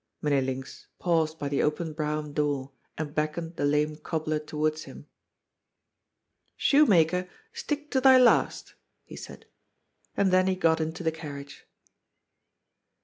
Mynheer Linx paused by the open brougham door and beckoned the lame cobbler towards him. " Shoemaker, stick to thy last," he said. And then he got into the carriage.